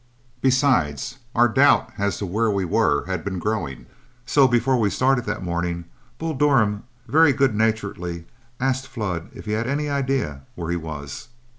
Besides, our doubt as to where we were had been growing, so before we started that morning, Bull Durham very good naturedly asked Flood if he had any idea where he was.